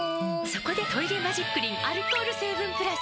そこで「トイレマジックリン」アルコール成分プラス！